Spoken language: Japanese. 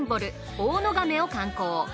大野亀を観光。